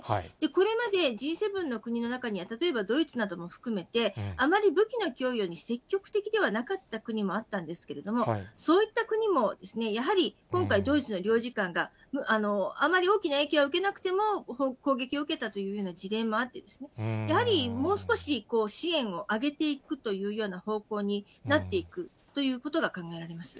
これまでＧ７の国の中には例えばドイツなども含めて、あまり武器の供与に積極的ではなかった国もあったんですけれども、そういった国もやはり、今回、ドイツの領事館が、あまり大きな影響は受けなくても攻撃を受けたというような事例もあって、やはりもう少し支援を上げていくというような方向になっていくということが考えられます。